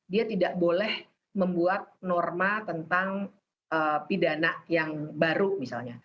dia tidak boleh membuat norma tentang pidana yang baru misalnya